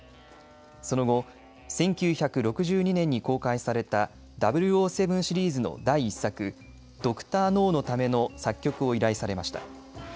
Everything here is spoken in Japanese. その後、１９６２年に公開された００７シリーズの第１作、ドクター・ノオのための作曲を依頼されました。